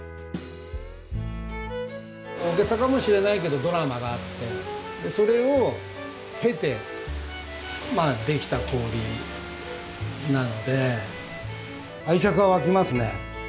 大げさかもしれないけどドラマがあってそれを経てできた氷なので愛着は湧きますね。